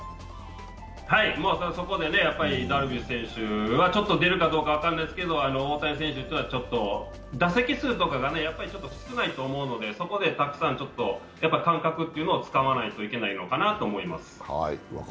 はい、そこでダルビッシュ選手が出るかどうかは分からないですけど、大谷選手は打席数とかがちょっと少ないと思うのでそこでたくさん感覚をつかまないといけないのかなと思います。